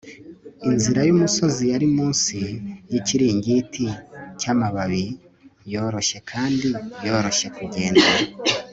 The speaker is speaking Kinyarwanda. inzira yumusozi yari munsi yikiringiti cyamababi, yoroshye kandi yoroshye kugenda